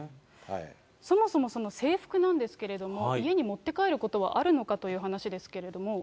そもそもその制服なんですけれども、家に持って帰ることはあるのかという話ですけれども。